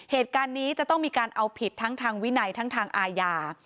เหตุการณ์นี้จะต้องมีการเอาผิดทั้งทางวินัยทั้งทางอาญา